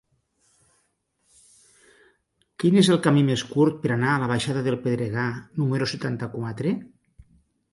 Quin és el camí més curt per anar a la baixada del Pedregar número setanta-quatre?